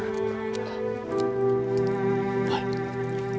tentunya om dandang